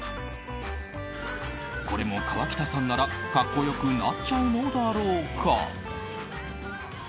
これも河北さんなら格好良くなっちゃうのだろうか。